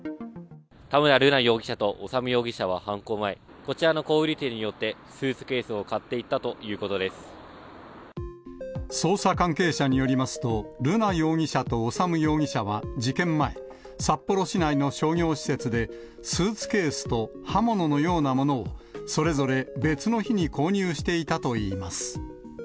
田村瑠奈容疑者と修容疑者は犯行前、こちらの小売り店に寄って、スーツケースを買っていったとい捜査関係者によりますと、瑠奈容疑者と修容疑者は事件前、札幌市内の商業施設で、スーツケースと刃物のようなものを、それぞれ別の日に購入していたといいます。